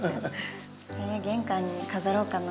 玄関に飾ろうかな？